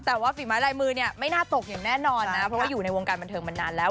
แต่ว่าฝีไม้ลายมือเนี่ยไม่น่าตกอย่างแน่นอนนะเพราะว่าอยู่ในวงการบันเทิงมานานแล้ว